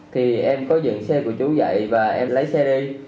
thì em có dựng xe của chú dậy và em lấy xe đi